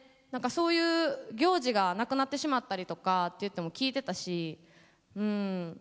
何かそういう行事がなくなってしまったりとかっていっても聞いてたしうん。